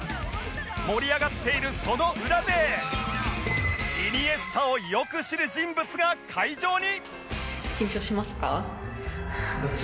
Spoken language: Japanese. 盛り上がっているその裏でイニエスタをよく知る人物が会場に！